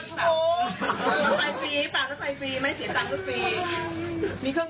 กี่ชั่วโมงถึงแล้วไฟฟรีต่างกว่าฟังแล้วไฟฟรีไม่เสียตังค์ก็ฟรี